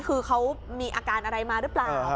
คือเขามีอาการอะไรมาหรือเปล่า